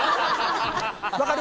分かる？